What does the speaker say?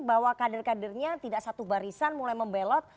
bahwa kader kadernya tidak satu barisan mulai membelot